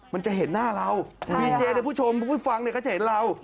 มันจะเห็นหน้าเราวีเจในผู้ชมผู้ฟังก็จะเห็นเรา